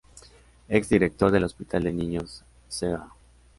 Ex director del hospital de niños, Cba.